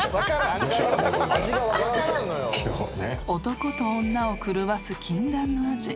［男と女を狂わす禁断の味］